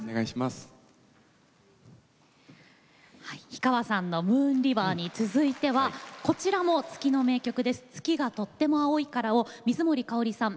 氷川さんの「ムーン・リバー」に続いてはこちらも月の名曲「月がとっても青いから」を水森かおりさん